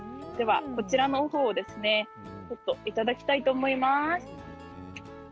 こちらをいただきたいと思います。